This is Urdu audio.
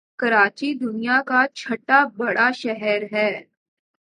کراچی دنیا کاچهٹا بڑا شہر ہے